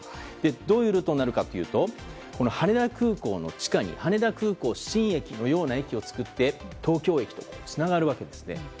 どういうルートになるかというと羽田空港の地下に羽田空港新駅のような駅を作って東京駅とつながるわけですね。